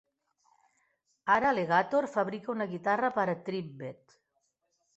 Ara Legator fabrica una guitarra per a Tribbett.